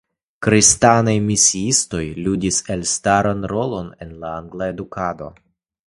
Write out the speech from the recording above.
Kristanaj misiistoj ludis elstaran rolon en la angla edukado.